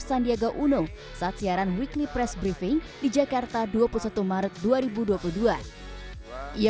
sandiaga uno saat siaran weekly press briefing di jakarta dua puluh satu maret dua ribu dua puluh dua ia